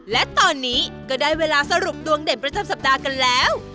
และตอนนี้ก็ได้เวลาสรุปดวงเด่นประจำสัปดาห์กันแล้ว